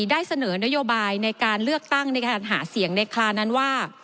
ได้เสนอนโยบายในการเลือกตั้งในการหาเสียงในครานั้นว่า